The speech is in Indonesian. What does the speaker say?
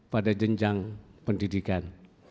pada jenjang pendidikan